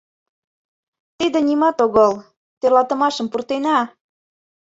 — Тиде нимат огыл... тӧрлатымашым пуртена.